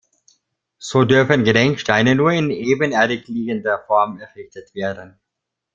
So dürfen Gedenksteine nur in ebenerdig-liegender Form errichtet werden.